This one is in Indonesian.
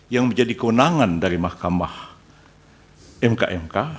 yang menjadi keunangan dari mahkamah mkmk